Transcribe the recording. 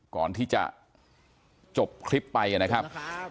ก่อนที่จะจบคลิปไปนะครับ